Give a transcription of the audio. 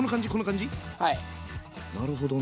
なるほどね。